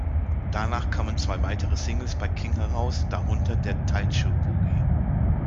Danach kamen zwei weitere Singles bei King heraus, darunter der "Tight Shoe Boogie".